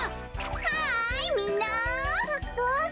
はいみんな！